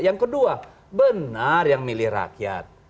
yang kedua benar yang milih rakyat